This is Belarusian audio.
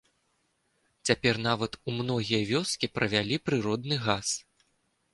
Цяпер нават у многія вёскі правялі прыродны газ.